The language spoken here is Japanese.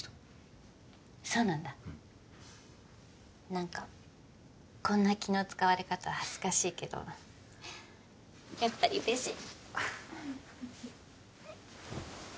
なんかこんな気の使われ方恥ずかしいけどやっぱり嬉しい！